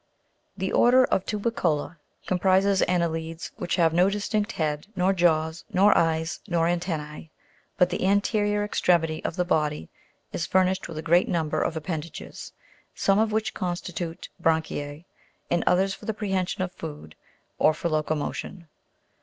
16. The ORDER OF TUBICOLA comprises anne'lides which have no distinct head, nor jaws, nor eyes, nor antennae, but the anterior extremity of the body is furnished with a great number of ap pendages, some of which constitute bran'chise, and others for the prehension of food, or for locomotion.